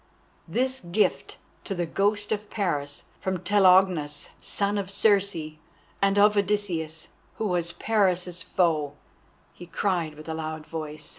"This gift to the Ghost of Paris from Telegonus, son of Circe and of Odysseus, who was Paris' foe," he cried with a loud voice.